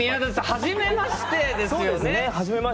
初めましてですね。